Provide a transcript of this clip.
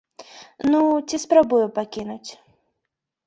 Ну, ці спрабуе пакінуць.